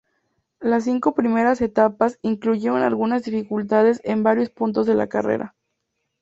Las cinco primeras etapas incluyeron algunas dificultades en varios puntos de la carrera.